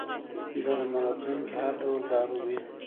درملتون کي هر ډول دارو وي